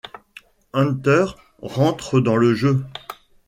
Hunter rentre dans le jeu.